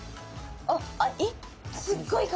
あっえっ？